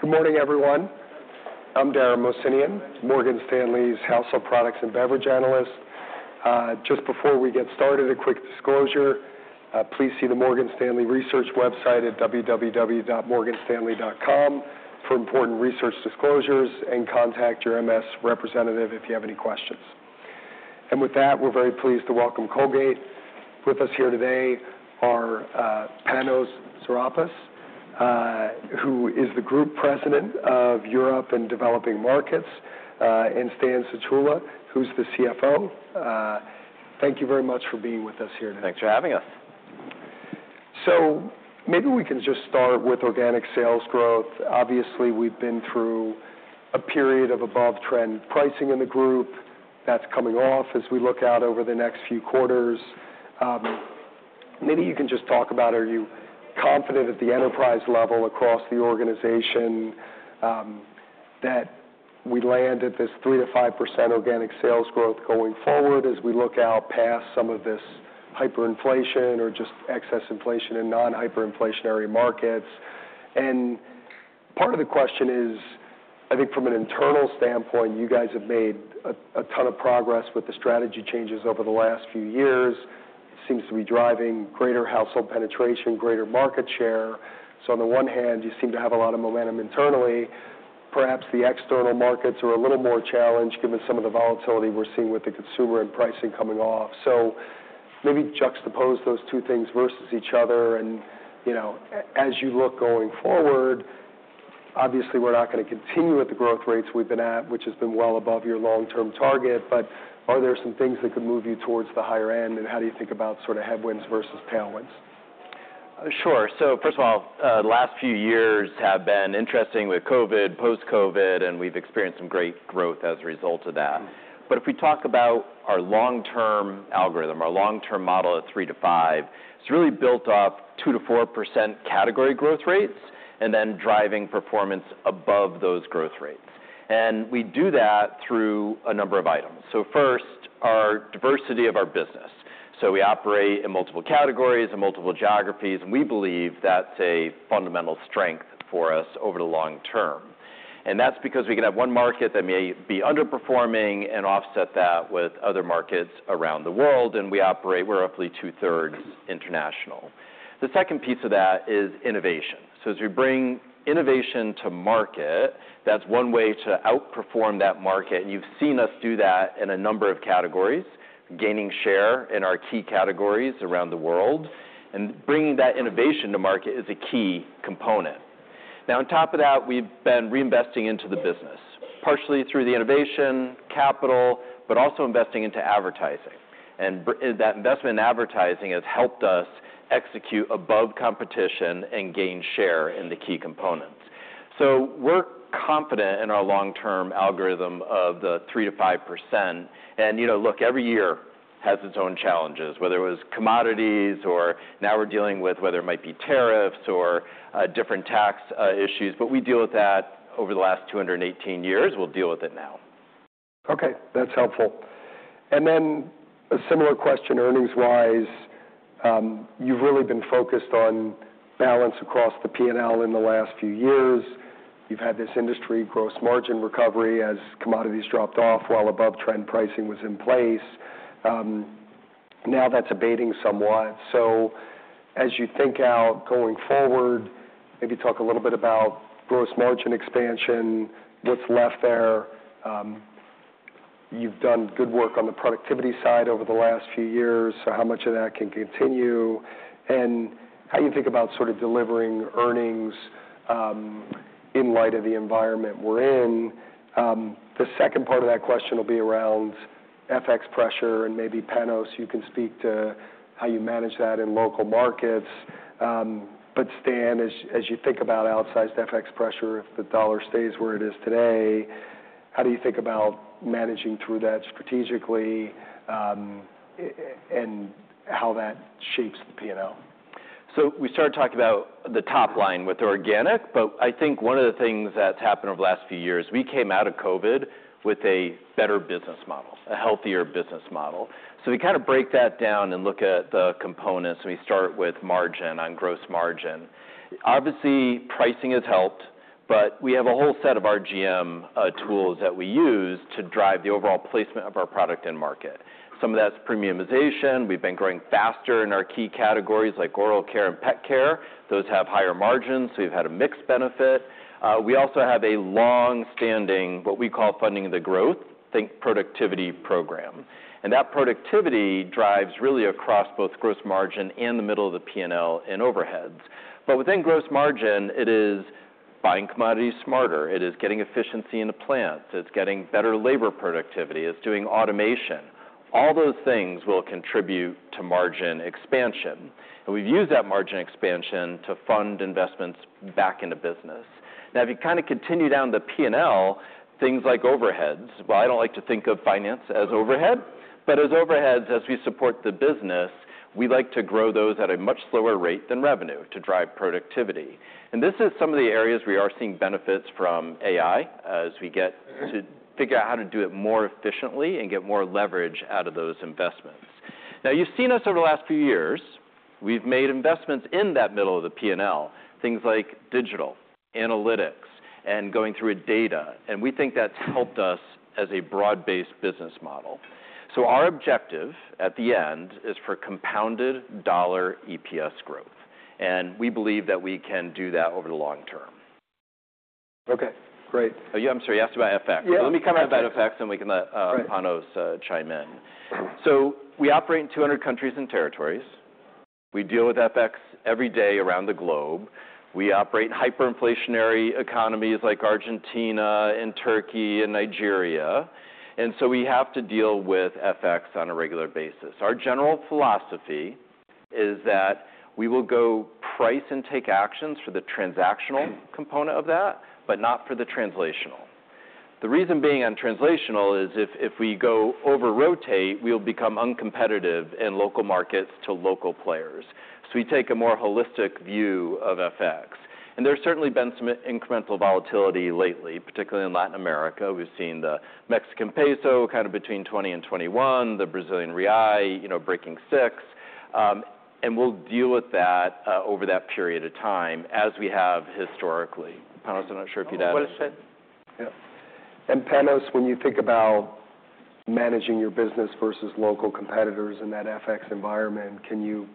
Good morning, everyone. I'm Dara Mohsenian, Morgan Stanley's Household Products and Beverage Analyst. Just before we get started, a quick disclosure: please see the Morgan Stanley Research website at www.morganstanley.com for important research disclosures and contact your MS representative if you have any questions. And with that, we're very pleased to welcome Colgate. With us here today are Panos Tsourapas, who is the Group President of Europe and Developing Markets, and Stan Sutula, who's the CFO. Thank you very much for being with us here today. Thanks for having us. So maybe we can just start with organic sales growth. Obviously, we've been through a period of above-trend pricing in the group. That's coming off as we look out over the next few quarters. Maybe you can just talk about, are you confident at the enterprise level across the organization that we land at this 3%-5% organic sales growth going forward as we look out past some of this hyperinflation or just excess inflation in non-hyperinflationary markets? And part of the question is, I think from an internal standpoint, you guys have made a ton of progress with the strategy changes over the last few years. It seems to be driving greater household penetration, greater market share. So on the one hand, you seem to have a lot of momentum internally. Perhaps the external markets are a little more challenged given some of the volatility we're seeing with the consumer and pricing coming off. So maybe juxtapose those two things versus each other. And as you look going forward, obviously we're not going to continue at the growth rates we've been at, which has been well above your long-term target. But are there some things that could move you towards the higher end? And how do you think about sort of headwinds versus tailwinds? Sure. So first of all, the last few years have been interesting with COVID, post-COVID, and we've experienced some great growth as a result of that. But if we talk about our long-term algorithm, our long-term model at 3%-5%, it's really built off 2%-4% category growth rates and then driving performance above those growth rates. And we do that through a number of items. So first, our diversity of our business. So we operate in multiple categories and multiple geographies, and we believe that's a fundamental strength for us over the long term. And that's because we can have one market that may be underperforming and offset that with other markets around the world. And we operate roughly two-thirds international. The second piece of that is innovation. So as we bring innovation to market, that's one way to outperform that market. And you've seen us do that in a number of categories, gaining share in our key categories around the world. And bringing that innovation to market is a key component. Now, on top of that, we've been reinvesting into the business, partially through the innovation capital, but also investing into advertising. And that investment in advertising has helped us execute above competition and gain share in the key components. So we're confident in our long-term algorithm of the 3%-5%. And look, every year has its own challenges, whether it was commodities or now we're dealing with whether it might be tariffs or different tax issues. But we deal with that over the last 218 years. We'll deal with it now. Okay, that's helpful. And then a similar question earnings-wise. You've really been focused on balance across the P&L in the last few years. You've had this industry gross margin recovery as commodities dropped off while above-trend pricing was in place. Now that's abating somewhat. So as you think out going forward, maybe talk a little bit about gross margin expansion, what's left there. You've done good work on the productivity side over the last few years. So how much of that can continue? And how do you think about sort of delivering earnings in light of the environment we're in? The second part of that question will be around FX pressure and maybe Panos. You can speak to how you manage that in local markets. But Stan, as you think about outsized FX pressure, if the dollar stays where it is today, how do you think about managing through that strategically and how that shapes the P&L? So we started talking about the top line with organic, but I think one of the things that's happened over the last few years, we came out of COVID with a better business model, a healthier business model. So we kind of break that down and look at the components. And we start with margin on gross margin. Obviously, pricing has helped, but we have a whole set of RGM tools that we use to drive the overall placement of our product in market. Some of that's premiumization. We've been growing faster in our key categories like oral care and pet care. Those have higher margins, so we've had a mixed benefit. We also have a long-standing, what we call funding the growth, think productivity program. And that productivity drives really across both gross margin and the middle of the P&L and overheads. But within gross margin, it is buying commodities smarter. It is getting efficiency in the plants. It's getting better labor productivity. It's doing automation. All those things will contribute to margin expansion. And we've used that margin expansion to fund investments back into business. Now, if you kind of continue down the P&L, things like overheads. Well, I don't like to think of finance as overhead, but as overheads, as we support the business, we like to grow those at a much slower rate than revenue to drive productivity. And this is some of the areas we are seeing benefits from AI as we get to figure out how to do it more efficiently and get more leverage out of those investments. Now, you've seen us over the last few years. We've made investments in that middle of the P&L, things like digital, analytics, and going through data. We think that's helped us as a broad-based business model. Our objective at the end is for compounded dollar EPS growth. We believe that we can do that over the long term. Okay, great. I'm sorry, you asked about FX. Yeah. Let me come out of FX, and we can let Panos chime in. So we operate in 200 countries and territories. We deal with FX every day around the globe. We operate in hyperinflationary economies like Argentina and Turkey and Nigeria. And so we have to deal with FX on a regular basis. Our general philosophy is that we will go price and take actions for the transactional component of that, but not for the translational. The reason being on translational is if we go over-rotate, we'll become uncompetitive in local markets to local players. So we take a more holistic view of FX. And there's certainly been some incremental volatility lately, particularly in Latin America. We've seen the Mexican peso kind of between 20 and 21, the Brazilian real breaking 6. And we'll deal with that over that period of time as we have historically. Panos, I'm not sure if you'd add anything. Panos, when you think about managing your business versus local competitors in that FX environment, can you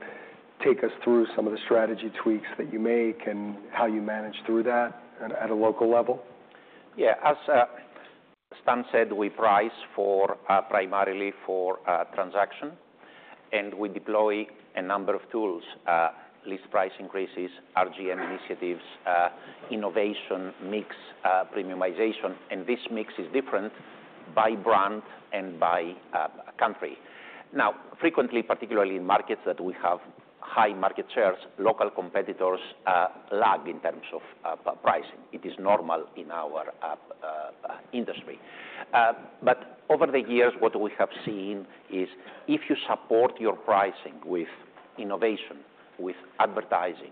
take us through some of the strategy tweaks that you make and how you manage through that at a local level? Yeah, as Stan said, we price primarily for transaction, and we deploy a number of tools: list price increases, RGM initiatives, innovation mix, premiumization, and this mix is different by brand and by country. Now, frequently, particularly in markets that we have high market shares, local competitors lag in terms of pricing. It is normal in our industry, but over the years, what we have seen is if you support your pricing with innovation, with advertising,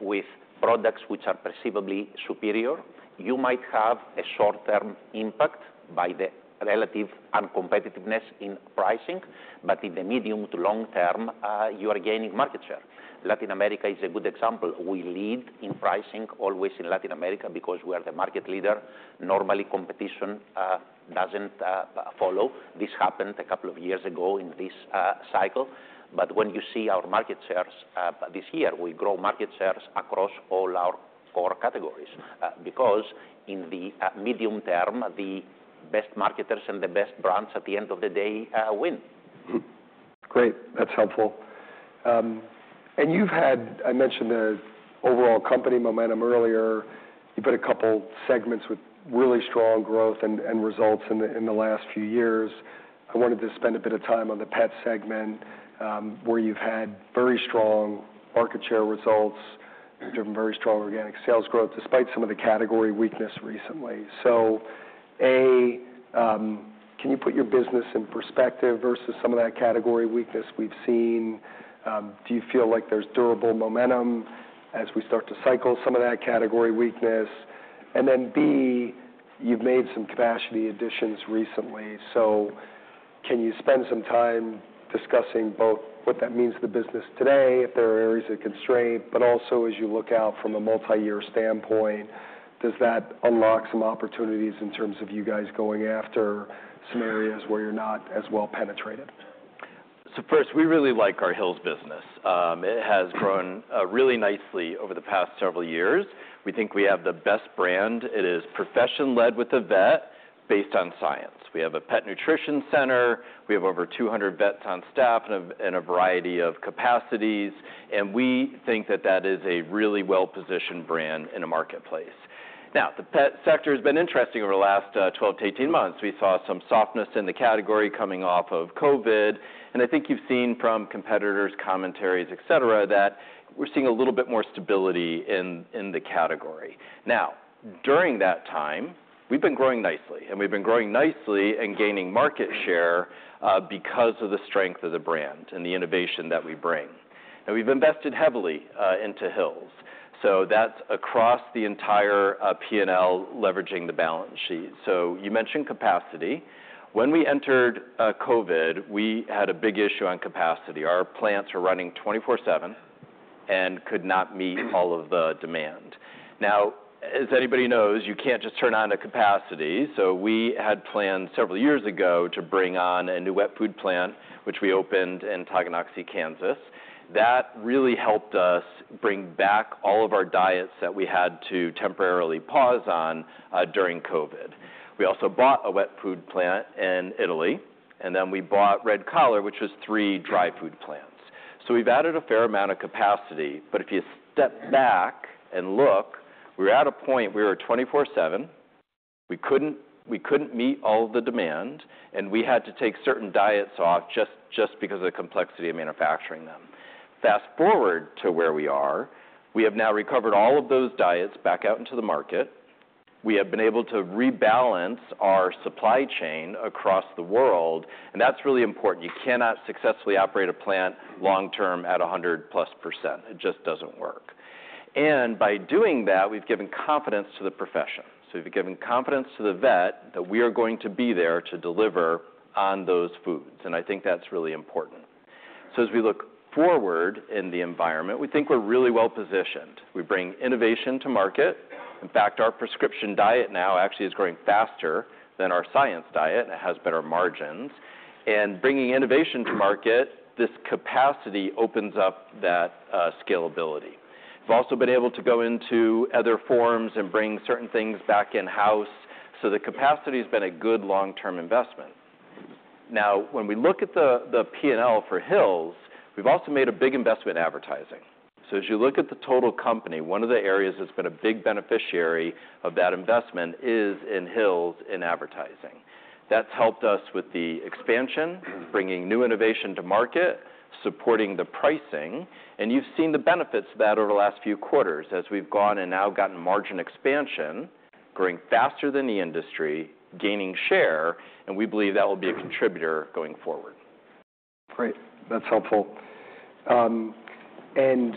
with products which are perceivably superior, you might have a short-term impact by the relative uncompetitiveness in pricing, but in the medium to long term, you are gaining market share. Latin America is a good example. We lead in pricing always in Latin America because we are the market leader. Normally, competition doesn't follow. This happened a couple of years ago in this cycle. But when you see our market shares this year, we grow market shares across all our core categories because in the medium term, the best marketers and the best brands at the end of the day win. Great, that's helpful. And you've had, I mentioned the overall company momentum earlier. You've had a couple of segments with really strong growth and results in the last few years. I wanted to spend a bit of time on the pet segment where you've had very strong market share results, very strong organic sales growth despite some of the category weakness recently. So A, can you put your business in perspective versus some of that category weakness we've seen? Do you feel like there's durable momentum as we start to cycle some of that category weakness? And then B, you've made some capacity additions recently. So can you spend some time discussing both what that means to the business today, if there are areas of constraint, but also as you look out from a multi-year standpoint, does that unlock some opportunities in terms of you guys going after some areas where you're not as well penetrated? First, we really like our Hill's business. It has grown really nicely over the past several years. We think we have the best brand. It is profession-led with a vet based on science. We have a pet nutrition center. We have over 200 vets on staff in a variety of capacities. We think that that is a really well-positioned brand in a marketplace. The pet sector has been interesting over the last 12-18 months. We saw some softness in the category coming off of COVID. I think you've seen from competitors, commentaries, et cetera, that we're seeing a little bit more stability in the category. During that time, we've been growing nicely. We've been growing nicely and gaining market share because of the strength of the brand and the innovation that we bring. We've invested heavily into Hill's. So that's across the entire P&L leveraging the balance sheet. So you mentioned capacity. When we entered COVID, we had a big issue on capacity. Our plants were running 24/7 and could not meet all of the demand. Now, as anybody knows, you can't just turn on a capacity. So we had planned several years ago to bring on a new wet food plant, which we opened in Tonganoxie, Kansas. That really helped us bring back all of our diets that we had to temporarily pause on during COVID. We also bought a wet food plant in Italy. And then we bought Red Collar, which was three dry food plants. So we've added a fair amount of capacity. But if you step back and look, we were at a point we were 24/7. We couldn't meet all of the demand. And we had to take certain diets off just because of the complexity of manufacturing them. Fast forward to where we are. We have now recovered all of those diets back out into the market. We have been able to rebalance our supply chain across the world. And that's really important. You cannot successfully operate a plant long term at 100+%. It just doesn't work. And by doing that, we've given confidence to the profession. So we've given confidence to the vet that we are going to be there to deliver on those foods. And I think that's really important. So as we look forward in the environment, we think we're really well positioned. We bring innovation to market. In fact, our Prescription Diet now actually is growing faster than our Science Diet, and it has better margins. And bringing innovation to market, this capacity opens up that scalability. We've also been able to go into other forms and bring certain things back in-house. So the capacity has been a good long-term investment. Now, when we look at the P&L for Hill's, we've also made a big investment in advertising. So as you look at the total company, one of the areas that's been a big beneficiary of that investment is in Hill's in advertising. That's helped us with the expansion, bringing new innovation to market, supporting the pricing. And you've seen the benefits of that over the last few quarters as we've gone and now gotten margin expansion, growing faster than the industry, gaining share. And we believe that will be a contributor going forward. Great, that's helpful. And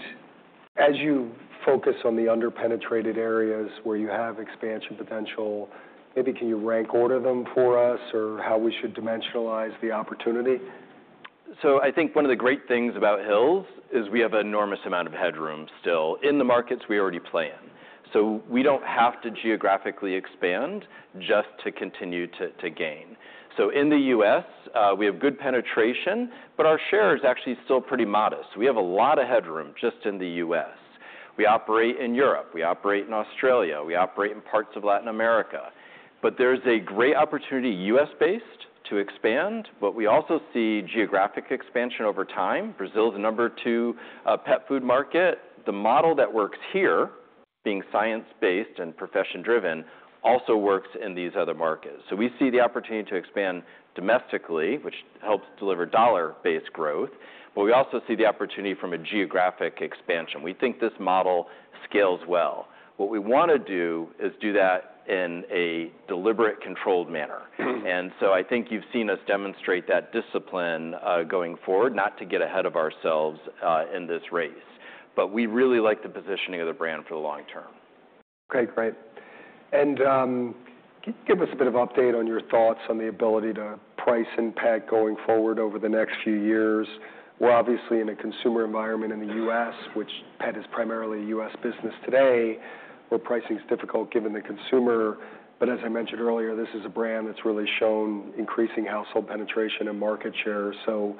as you focus on the under-penetrated areas where you have expansion potential, maybe can you rank order them for us or how we should dimensionalize the opportunity? So I think one of the great things about Hill's is we have an enormous amount of headroom still in the markets we already play in. So we don't have to geographically expand just to continue to gain. So in the U.S., we have good penetration, but our share is actually still pretty modest. We have a lot of headroom just in the U.S. We operate in Europe. We operate in Australia. We operate in parts of Latin America. But there's a great opportunity U.S.-based to expand. But we also see geographic expansion over time. Brazil is the number two pet food market. The model that works here, being science-based and profession-driven, also works in these other markets. So we see the opportunity to expand domestically, which helps deliver dollar-based growth. But we also see the opportunity from a geographic expansion. We think this model scales well. What we want to do is do that in a deliberate, controlled manner. And so I think you've seen us demonstrate that discipline going forward, not to get ahead of ourselves in this race. But we really like the positioning of the brand for the long term. Great, great, and can you give us a bit of update on your thoughts on the ability to price in pet going forward over the next few years? We're obviously in a consumer environment in the U.S., which pet is primarily a U.S. business today, where pricing is difficult given the consumer, but as I mentioned earlier, this is a brand that's really shown increasing household penetration and market share, so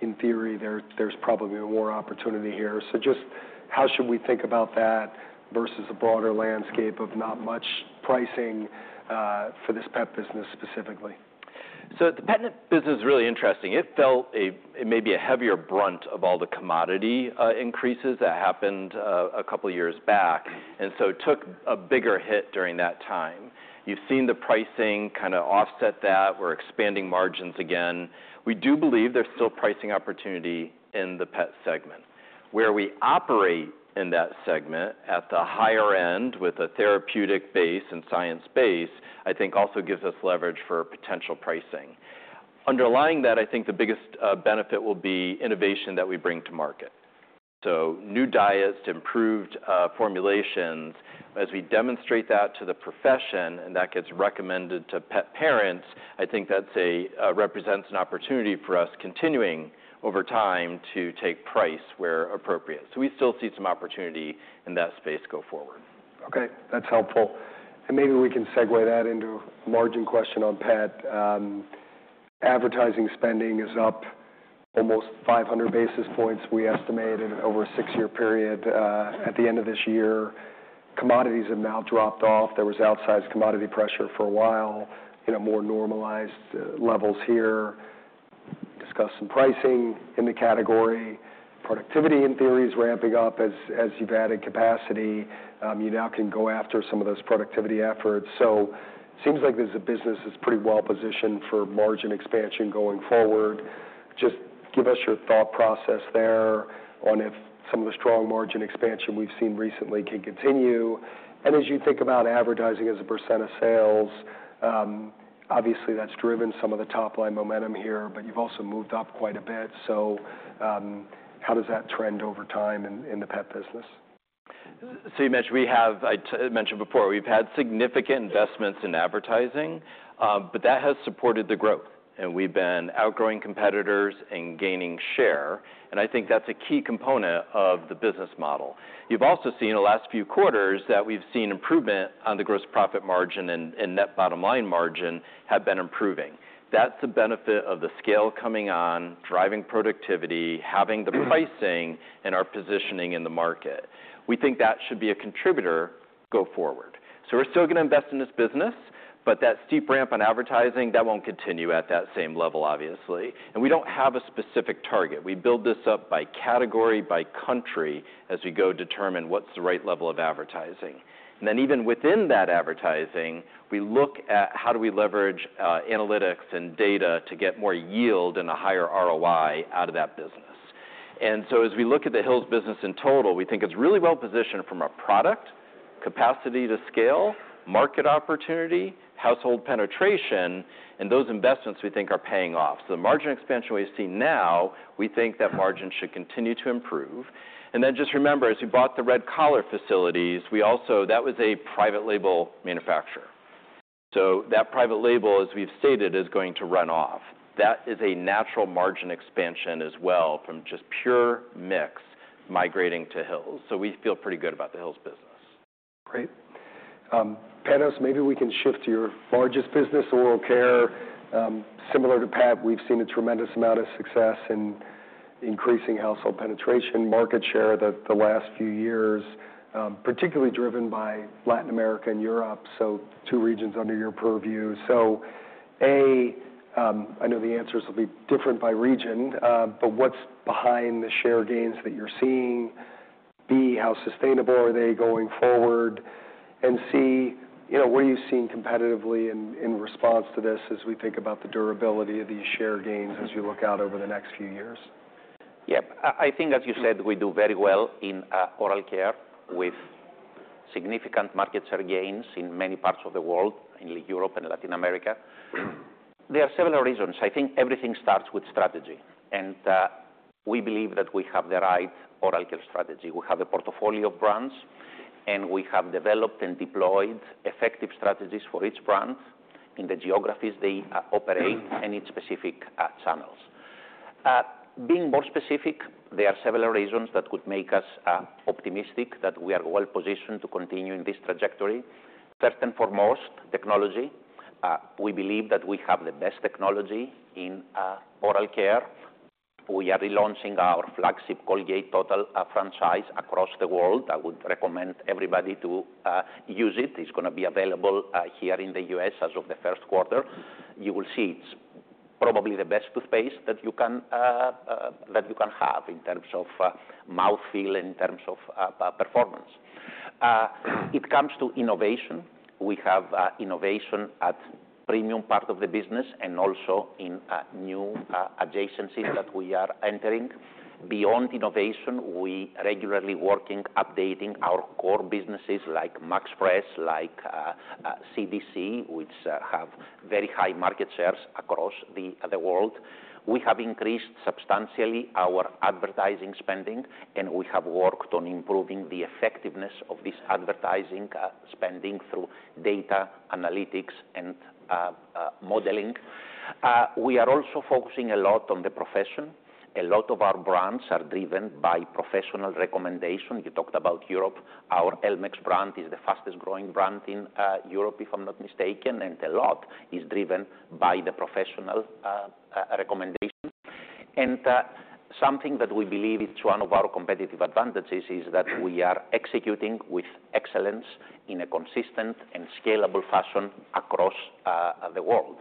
in theory, there's probably more opportunity here, so just how should we think about that versus the broader landscape of not much pricing for this pet business specifically? The pet business is really interesting. It felt maybe a heavier brunt of all the commodity increases that happened a couple of years back. It took a bigger hit during that time. You've seen the pricing kind of offset that. We're expanding margins again. We do believe there's still pricing opportunity in the pet segment. Where we operate in that segment at the higher end with a therapeutic base and science base, I think also gives us leverage for potential pricing. Underlying that, I think the biggest benefit will be innovation that we bring to market. New diets, improved formulations. As we demonstrate that to the profession and that gets recommended to pet parents, I think that represents an opportunity for us continuing over time to take price where appropriate. We still see some opportunity in that space go forward. Okay, that's helpful. And maybe we can segue that into a margin question on pet. Advertising spending is up almost 500 basis points. We estimated over a six-year period. At the end of this year, commodities have now dropped off. There was outsized commodity pressure for a while, more normalized levels here. Discussed some pricing in the category. Productivity in theory is ramping up as you've added capacity. You now can go after some of those productivity efforts. So it seems like this is a business that's pretty well positioned for margin expansion going forward. Just give us your thought process there on if some of the strong margin expansion we've seen recently can continue. And as you think about advertising as a percent of sales, obviously that's driven some of the top-line momentum here, but you've also moved up quite a bit. So how does that trend over time in the pet business? So you mentioned we have. I mentioned before, we've had significant investments in advertising, but that has supported the growth. And we've been outgrowing competitors and gaining share. And I think that's a key component of the business model. You've also seen in the last few quarters that we've seen improvement on the gross profit margin and net bottom line margin have been improving. That's a benefit of the scale coming on, driving productivity, having the pricing and our positioning in the market. We think that should be a contributor go forward. So we're still going to invest in this business, but that steep ramp on advertising, that won't continue at that same level, obviously. And we don't have a specific target. We build this up by category, by country as we go determine what's the right level of advertising. And then even within that advertising, we look at how do we leverage analytics and data to get more yield and a higher ROI out of that business. And so as we look at the Hill's business in total, we think it's really well positioned from a product, capacity to scale, market opportunity, household penetration, and those investments we think are paying off. So the margin expansion we see now, we think that margin should continue to improve. And then just remember, as we bought the Red Collar facilities, we also, that was a private label manufacturer. So that private label, as we've stated, is going to run off. That is a natural margin expansion as well from just pure mix migrating to Hill's. So we feel pretty good about the Hill's business. Great. Panos, maybe we can shift to your largest business, oral care. Similar to pet, we've seen a tremendous amount of success in increasing household penetration, market share the last few years, particularly driven by Latin America and Europe, so two regions under your purview. So A, I know the answers will be different by region, but what's behind the share gains that you're seeing? B, how sustainable are they going forward? And C, where are you seeing competitively in response to this as we think about the durability of these share gains as you look out over the next few years? Yep, I think as you said, we do very well in oral care with significant market share gains in many parts of the world, in Europe and Latin America. There are several reasons. I think everything starts with strategy, and we believe that we have the right oral care strategy. We have a portfolio of brands, and we have developed and deployed effective strategies for each brand in the geographies they operate and each specific channels. Being more specific, there are several reasons that would make us optimistic that we are well positioned to continue in this trajectory. First and foremost, technology. We believe that we have the best technology in oral care. We are relaunching our flagship Colgate Total franchise across the world. I would recommend everybody to use it. It's going to be available here in the U.S. as of the first quarter. You will see it's probably the best toothpaste that you can have in terms of mouthfeel and in terms of performance. It comes to innovation. We have innovation at the premium part of the business and also in new adjacencies that we are entering. Beyond innovation, we are regularly working, updating our core businesses like MaxFresh, like CDC, which have very high market shares across the world. We have increased substantially our advertising spending, and we have worked on improving the effectiveness of this advertising spending through data analytics and modeling. We are also focusing a lot on the profession. A lot of our brands are driven by professional recommendation. You talked about Europe. Our Elmex brand is the fastest growing brand in Europe, if I'm not mistaken, and a lot is driven by the professional recommendation. Something that we believe is one of our competitive advantages is that we are executing with excellence in a consistent and scalable fashion across the world.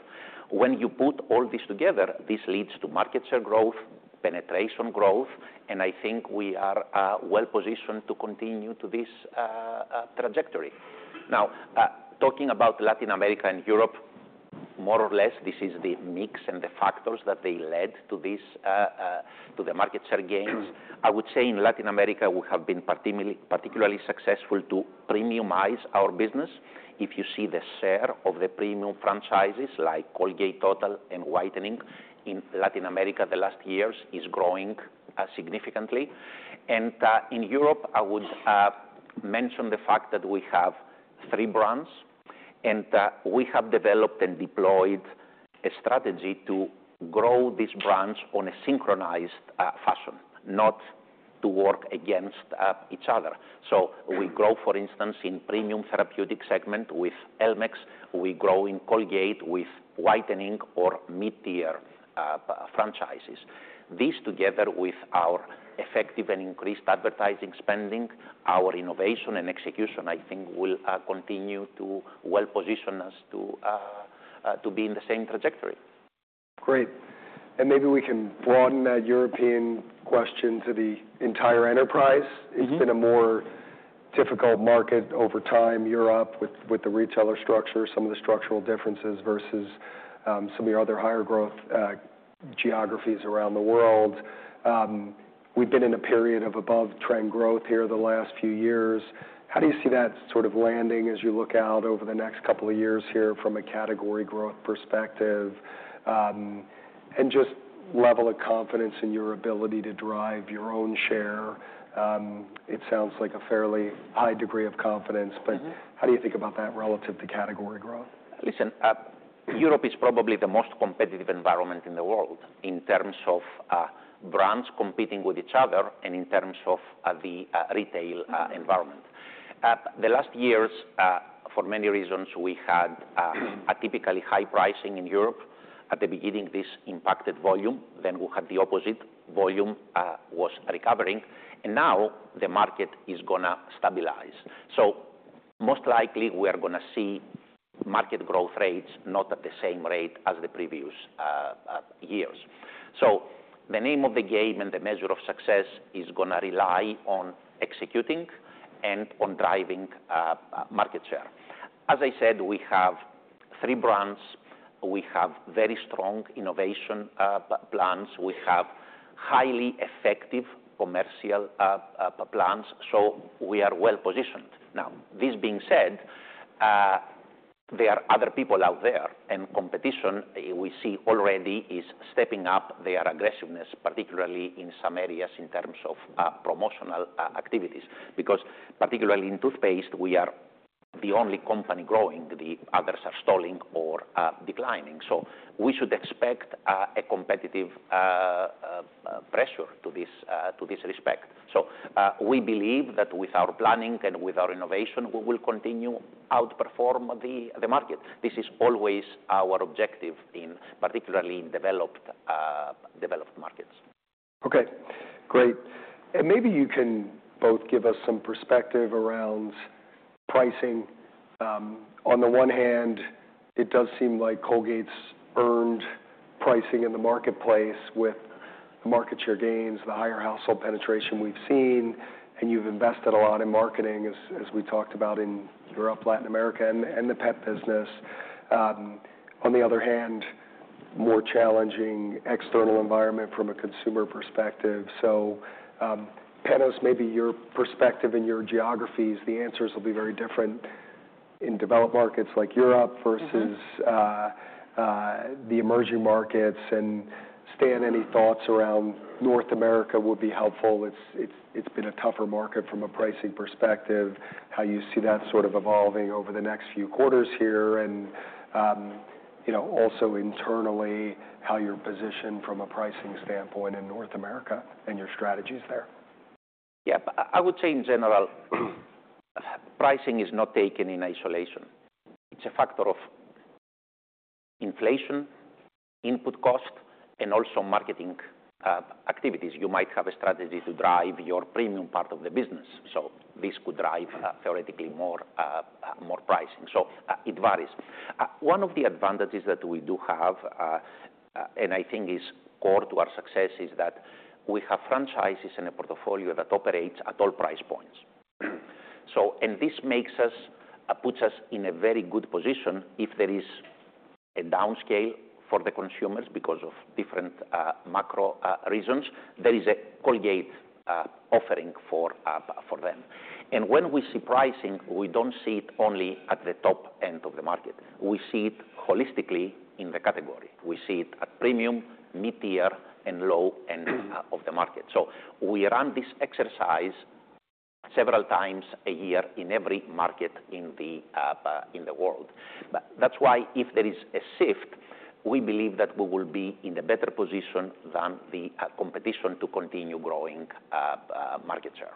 When you put all this together, this leads to market share growth, penetration growth, and I think we are well positioned to continue to this trajectory. Now, talking about Latin America and Europe, more or less, this is the mix and the factors that they led to the market share gains. I would say in Latin America, we have been particularly successful to premiumize our business. If you see the share of the premium franchises like Colgate Total and Whitening in Latin America the last years is growing significantly. In Europe, I would mention the fact that we have three brands, and we have developed and deployed a strategy to grow these brands in a synchronized fashion, not to work against each other. So we grow, for instance, in the premium therapeutic segment with Elmex. We grow in Colgate with whitening or mid-tier franchises. These, together with our effective and increased advertising spending, our innovation and execution, I think will continue to well position us to be in the same trajectory. Great. And maybe we can broaden that European question to the entire enterprise. It's been a more difficult market over time, Europe, with the retailer structure, some of the structural differences versus some of your other higher growth geographies around the world. We've been in a period of above-trend growth here the last few years. How do you see that sort of landing as you look out over the next couple of years here from a category growth perspective? And just level of confidence in your ability to drive your own share. It sounds like a fairly high degree of confidence, but how do you think about that relative to category growth? Listen, Europe is probably the most competitive environment in the world in terms of brands competing with each other and in terms of the retail environment. The last years, for many reasons, we had a typically high pricing in Europe. At the beginning, this impacted volume. Then we had the opposite. Volume was recovering, and now the market is going to stabilize, so most likely, we are going to see market growth rates, not at the same rate as the previous years, so the name of the game and the measure of success is going to rely on executing and on driving market share. As I said, we have three brands. We have very strong innovation plans. We have highly effective commercial plans, so we are well positioned. Now, this being said, there are other people out there, and competition we see already is stepping up their aggressiveness, particularly in some areas in terms of promotional activities. Because particularly in toothpaste, we are the only company growing. The others are stalling or declining. So we should expect a competitive pressure to this respect. So we believe that with our planning and with our innovation, we will continue to outperform the market. This is always our objective, particularly in developed markets. Okay, great. And maybe you can both give us some perspective around pricing. On the one hand, it does seem like Colgate's earned pricing in the marketplace with the market share gains, the higher household penetration we've seen, and you've invested a lot in marketing, as we talked about in Europe, Latin America, and the pet business. On the other hand, more challenging external environment from a consumer perspective. So Panos, maybe your perspective and your geographies, the answers will be very different in developed markets like Europe versus the emerging markets. And Stan, any thoughts around North America would be helpful. It's been a tougher market from a pricing perspective. How do you see that sort of evolving over the next few quarters here? And also internally, how you're positioned from a pricing standpoint in North America and your strategies there? Yeah, I would say in general, pricing is not taken in isolation. It's a factor of inflation, input cost, and also marketing activities. You might have a strategy to drive your premium part of the business. So this could drive theoretically more pricing. So it varies. One of the advantages that we do have, and I think is core to our success, is that we have franchises and a portfolio that operates at all price points. And this puts us in a very good position. If there is a downscale for the consumers because of different macro reasons, there is a Colgate offering for them. And when we see pricing, we don't see it only at the top end of the market. We see it holistically in the category. We see it at premium, mid-tier, and low end of the market. We run this exercise several times a year in every market in the world. That's why if there is a shift, we believe that we will be in a better position than the competition to continue growing market share.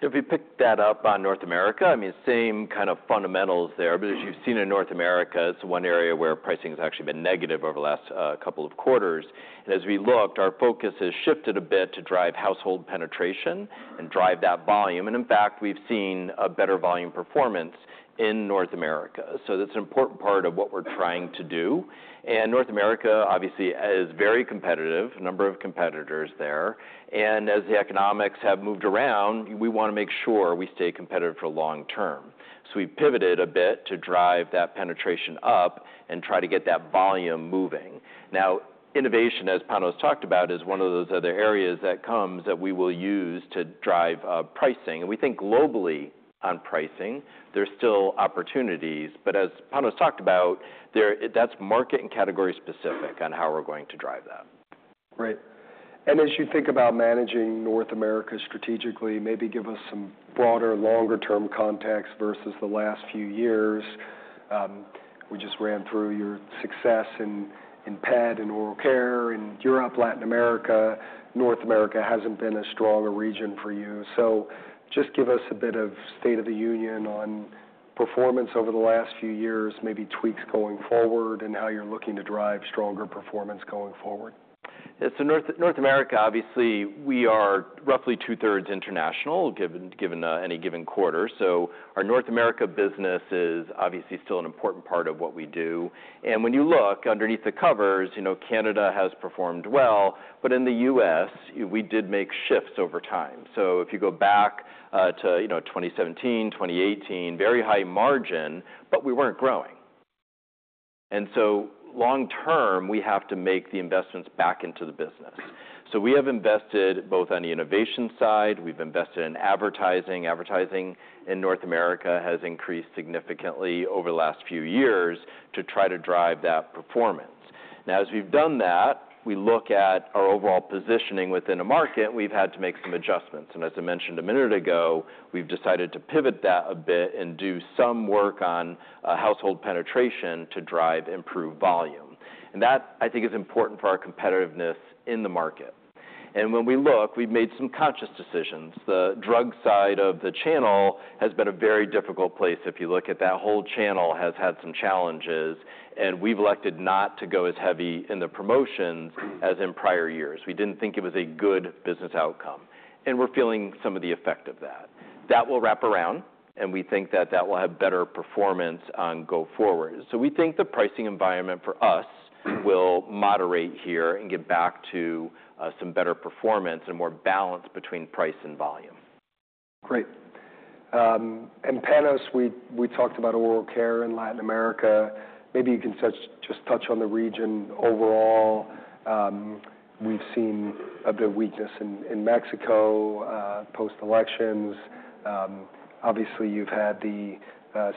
If we pick that up on North America, I mean, same kind of fundamentals there, but as you've seen in North America, it's one area where pricing has actually been negative over the last couple of quarters, and as we looked, our focus has shifted a bit to drive household penetration and drive that volume, and in fact, we've seen a better volume performance in North America, so that's an important part of what we're trying to do, and North America, obviously, is very competitive, a number of competitors there, and as the economics have moved around, we want to make sure we stay competitive for long-term, so we pivoted a bit to drive that penetration up and try to get that volume moving. Now, innovation, as Panos talked about, is one of those other areas that comes that we will use to drive pricing. And we think globally on pricing, there's still opportunities. But as Panos talked about, that's market and category specific on how we're going to drive that. Great. And as you think about managing North America strategically, maybe give us some broader longer-term context versus the last few years. We just ran through your success in pet, in oral care, in Europe, Latin America. North America hasn't been a stronger region for you. So just give us a bit of state of the union on performance over the last few years, maybe tweaks going forward, and how you're looking to drive stronger performance going forward. Yeah, so North America, obviously, we are roughly two-thirds international given any given quarter. So our North America business is obviously still an important part of what we do. And when you look underneath the covers, Canada has performed well. But in the U.S., we did make shifts over time. So if you go back to 2017, 2018, very high margin, but we weren't growing. And so long term, we have to make the investments back into the business. So we have invested both on the innovation side. We've invested in advertising. Advertising in North America has increased significantly over the last few years to try to drive that performance. Now, as we've done that, we look at our overall positioning within a market, we've had to make some adjustments. And as I mentioned a minute ago, we've decided to pivot that a bit and do some work on household penetration to drive improved volume. And that, I think, is important for our competitiveness in the market. And when we look, we've made some conscious decisions. The drug side of the channel has been a very difficult place. If you look at that whole channel, it has had some challenges. And we've elected not to go as heavy in the promotions as in prior years. We didn't think it was a good business outcome. And we're feeling some of the effect of that. That will wrap around, and we think that that will have better performance going forward. So we think the pricing environment for us will moderate here and get back to some better performance and more balance between price and volume. Great. And Panos, we talked about oral care in Latin America. Maybe you can just touch on the region overall. We've seen a bit of weakness in Mexico post-elections. Obviously, you've had the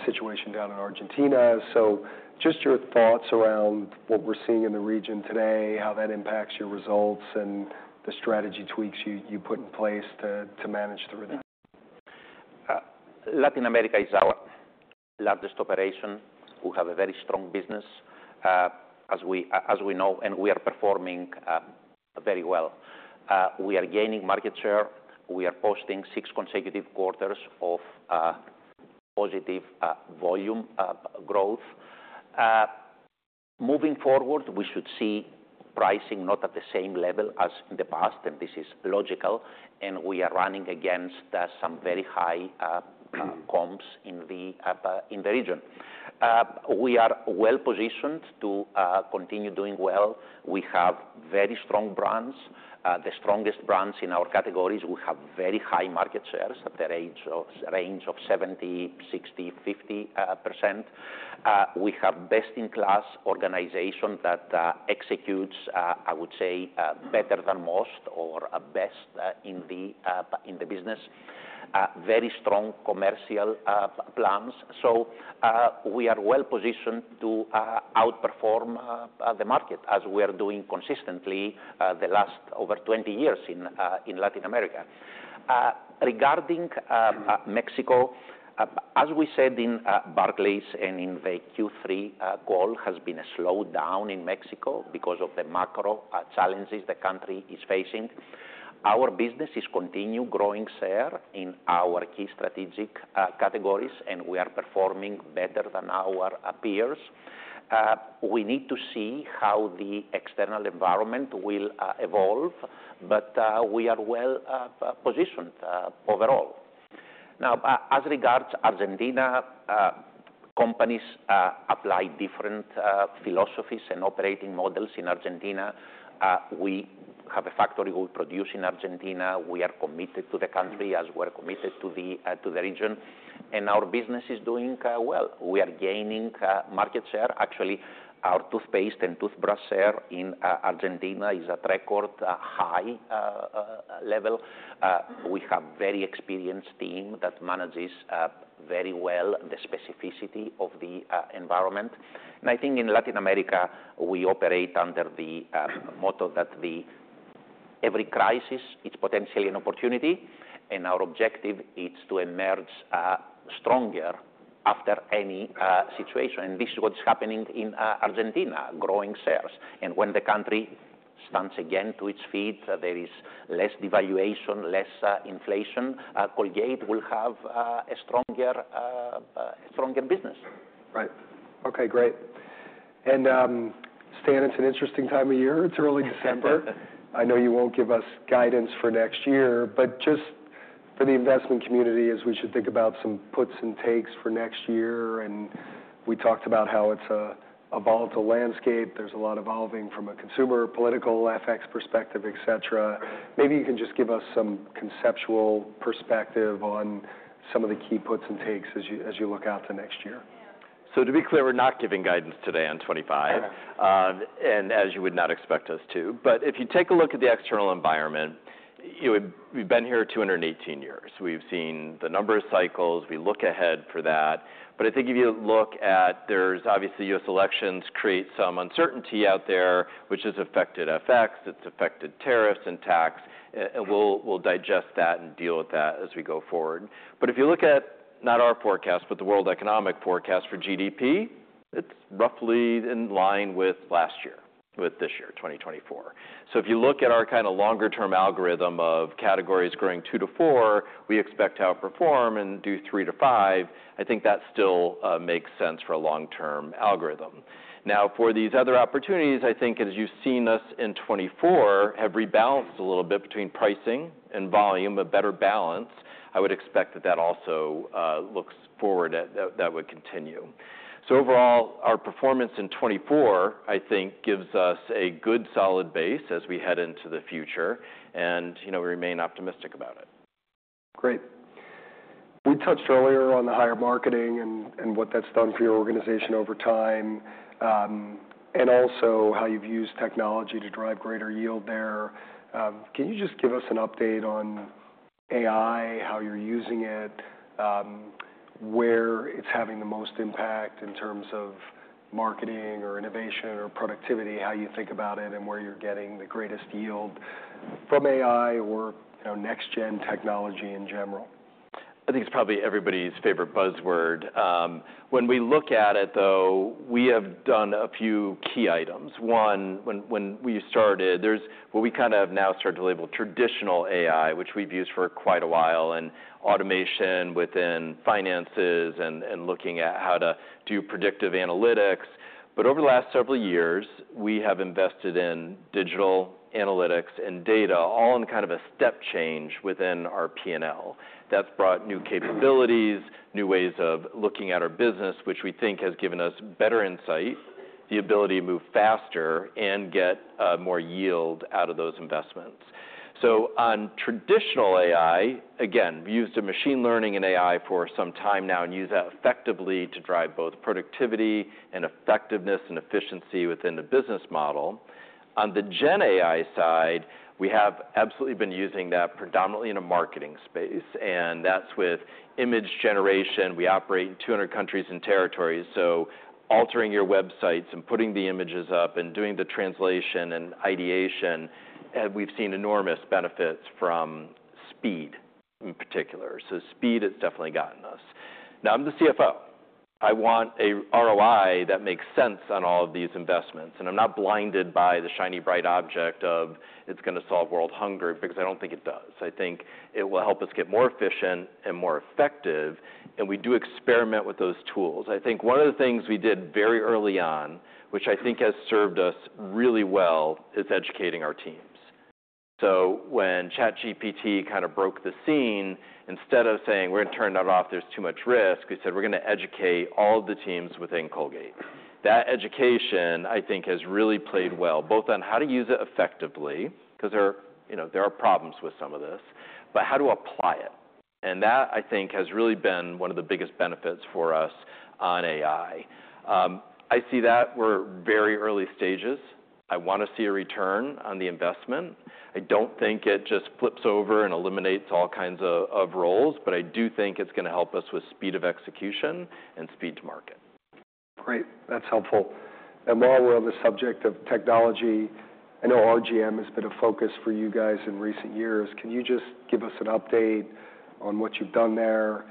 situation down in Argentina. So just your thoughts around what we're seeing in the region today, how that impacts your results, and the strategy tweaks you put in place to manage through that. Latin America is our largest operation. We have a very strong business, as we know, and we are performing very well. We are gaining market share. We are posting six consecutive quarters of positive volume growth. Moving forward, we should see pricing not at the same level as in the past, and this is logical. And we are running against some very high comps in the region. We are well positioned to continue doing well. We have very strong brands, the strongest brands in our categories. We have very high market shares at the range of 70%, 60%, 50%. We have best-in-class organization that executes, I would say, better than most or best in the business. Very strong commercial plans. So we are well positioned to outperform the market, as we are doing consistently the last over 20 years in Latin America. Regarding Mexico, as we said in Barclays and in the Q3 call, there has been a slowdown in Mexico because of the macro challenges the country is facing. Our business is continuing to grow share in our key strategic categories, and we are performing better than our peers. We need to see how the external environment will evolve, but we are well positioned overall. Now, as regards Argentina, companies apply different philosophies and operating models in Argentina. We have a factory we produce in Argentina. We are committed to the country as we are committed to the region, and our business is doing well. We are gaining market share. Actually, our toothpaste and toothbrush share in Argentina is at record high level. We have a very experienced team that manages very well the specificity of the environment. I think in Latin America, we operate under the motto that every crisis is potentially an opportunity. Our objective is to emerge stronger after any situation. This is what is happening in Argentina: growing shares. When the country stands again to its feet, there is less devaluation, less inflation. Colgate will have a stronger business. Right. Okay, great. And Stan, it's an interesting time of year. It's early December. I know you won't give us guidance for next year, but just for the investment community, as we should think about some puts and takes for next year. And we talked about how it's a volatile landscape. There's a lot evolving from a consumer political effects perspective, etc. Maybe you can just give us some conceptual perspective on some of the key puts and takes as you look out to next year. So to be clear, we're not giving guidance today on 2025, and as you would not expect us to. But if you take a look at the external environment, we've been here 218 years. We've seen the number of cycles. We look ahead for that. But I think if you look at, there's obviously U.S. elections create some uncertainty out there, which has affected effects. It's affected tariffs and tax. And we'll digest that and deal with that as we go forward. But if you look at not our forecast, but the world economic forecast for GDP, it's roughly in line with last year, with this year, 2024. So if you look at our kind of longer-term algorithm of categories growing two to four, we expect to outperform and do three to five. I think that still makes sense for a long-term algorithm. Now, for these other opportunities, I think as you've seen us in 2024 have rebalanced a little bit between pricing and volume, a better balance. I would expect that that also looks forward that would continue, so overall, our performance in 2024, I think, gives us a good solid base as we head into the future, and we remain optimistic about it. Great. We touched earlier on the higher marketing and what that's done for your organization over time, and also how you've used technology to drive greater yield there. Can you just give us an update on AI, how you're using it, where it's having the most impact in terms of marketing or innovation or productivity, how you think about it, and where you're getting the greatest yield from AI or next-gen technology in general? I think it's probably everybody's favorite buzzword. When we look at it, though, we have done a few key items. One, when we started, there's what we kind of now start to label traditional AI, which we've used for quite a while, and automation within finances and looking at how to do predictive analytics. But over the last several years, we have invested in digital analytics and data, all in kind of a step change within our P&L. That's brought new capabilities, new ways of looking at our business, which we think has given us better insight, the ability to move faster and get more yield out of those investments. So on traditional AI, again, we used machine learning and AI for some time now and use that effectively to drive both productivity and effectiveness and efficiency within the business model. On the GenAI side, we have absolutely been using that predominantly in a marketing space, and that's with image generation. We operate in 200 countries and territories, so altering your websites and putting the images up and doing the translation and ideation, we've seen enormous benefits from speed in particular, so speed has definitely gotten us. Now, I'm the CFO. I want an ROI that makes sense on all of these investments, and I'm not blinded by the shiny bright object of it's going to solve world hunger because I don't think it does. I think it will help us get more efficient and more effective, and we do experiment with those tools. I think one of the things we did very early on, which I think has served us really well, is educating our teams. So when ChatGPT kind of broke the scene, instead of saying, "We're going to turn that off. There's too much risk," we said, "We're going to educate all of the teams within Colgate." That education, I think, has really played well, both on how to use it effectively, because there are problems with some of this, but how to apply it. And that, I think, has really been one of the biggest benefits for us on AI. I see that we're very early stages. I want to see a return on the investment. I don't think it just flips over and eliminates all kinds of roles, but I do think it's going to help us with speed of execution and speed to market. Great. That's helpful. And while we're on the subject of technology, I know RGM has been a focus for you guys in recent years. Can you just give us an update on what you've done there,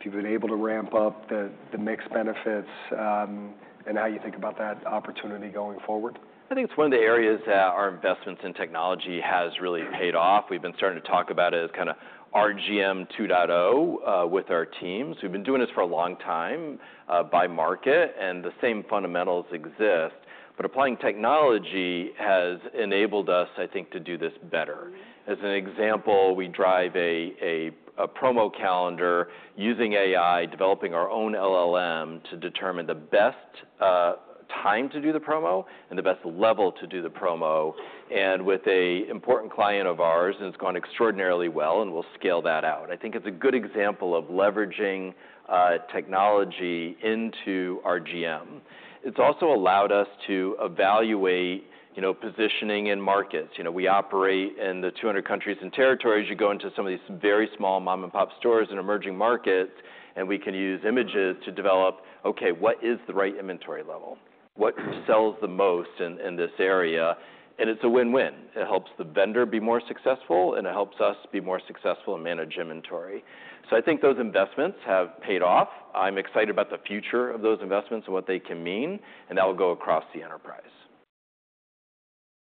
if you've been able to ramp up the mixed benefits, and how you think about that opportunity going forward? I think it's one of the areas that our investments in technology has really paid off. We've been starting to talk about it as kind of RGM 2.0 with our teams. We've been doing this for a long time by market, and the same fundamentals exist. But applying technology has enabled us, I think, to do this better. As an example, we drive a promo calendar using AI, developing our own LLM to determine the best time to do the promo and the best level to do the promo, and with an important client of ours, and it's gone extraordinarily well, and we'll scale that out. I think it's a good example of leveraging technology into RGM. It's also allowed us to evaluate positioning in markets. We operate in the 200 countries and territories. You go into some of these very small mom-and-pop stores in emerging markets, and we can use images to develop, okay, what is the right inventory level? What sells the most in this area? And it's a win-win. It helps the vendor be more successful, and it helps us be more successful and manage inventory. So I think those investments have paid off. I'm excited about the future of those investments and what they can mean. And that will go across the enterprise.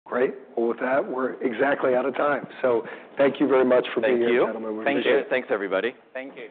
Great. Well, with that, we're exactly out of time. So thank you very much for being here, Thank you. Thanks, everybody. Thank you.